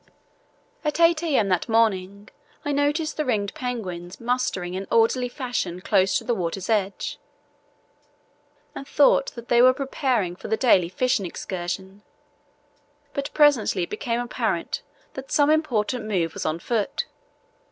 At 8 a.m. that morning I noticed the ringed penguins mustering in orderly fashion close to the water's edge, and thought that they were preparing for the daily fishing excursion; but presently it became apparent that some important move was on foot.